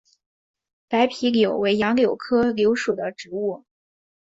白皮柳为杨柳科柳属的植物。